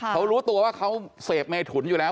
เขารู้ตัวว่าเขาเสพเมถุนอยู่แล้ว